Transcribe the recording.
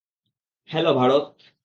Hello, Bharat.